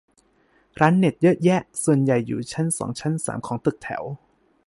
ร้านเน็ตเยอะแยะ ส่วนใหญ่อยู่ชั้นสองชั้นสามของตึกแถว